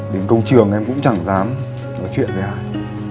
đến công trường em cũng chẳng dám nói chuyện với ai